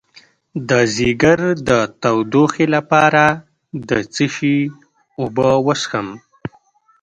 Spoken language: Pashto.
د ځیګر د تودوخې لپاره د څه شي اوبه وڅښم؟